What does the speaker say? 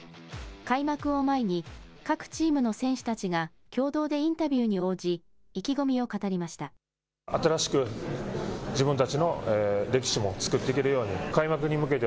開幕を前に、各チームの選手たちが、共同でインタビューに応じ、意気込みを語りました。